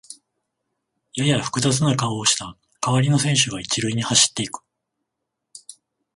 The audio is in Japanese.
やや複雑な顔をした代わりの選手が一塁に走っていく